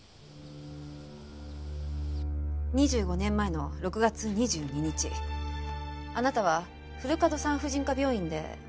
２５年前の６月２２日あなたは古門産婦人科病院で男の子を出産しましたね。